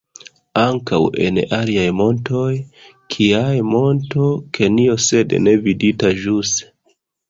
Ankaŭ en aliaj montoj, kiaj Monto Kenjo sed ne vidata ĵuse.